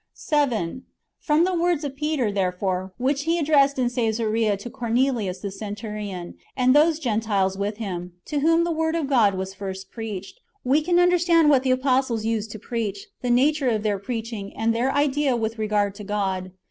7. From the words of Peter, therefore, which he addressed in C^sarea to Cornelius the centurion, and those Gentiles with him, to whom the word of God was first preached, we can understand what the apostles used to preach, the nature of their preaching, and their idea with regard to God.